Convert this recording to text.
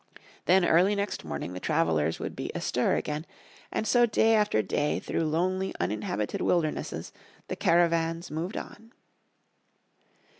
Then early next morning the travelers would be astir again, and so day after day through lonely uninhabited wildernesses the caravans moved on.